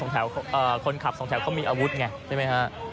แต่ว่าคนขับสองแถวเขามีอาวุธไง